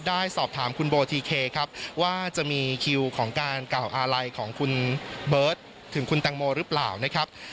ได้สอบถามคุณโบทีเคครับว่าจะมีคิวของการกล่าวอาลัยของคุณเบิร์ตถึงคุณแตงโมหรือเปล่านะครับ